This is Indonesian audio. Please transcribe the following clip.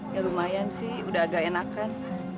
ya lumayan sih udah agak enakan